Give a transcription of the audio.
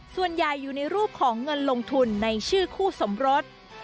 ส่วนใหญ่อยู่ในรูปของเงินลงทุนในชื่อคู่สมรส